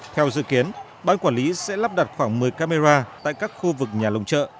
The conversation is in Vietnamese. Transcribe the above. theo dự kiến ban quản lý sẽ lắp đặt khoảng một mươi camera tại các khu vực nhà lồng chợ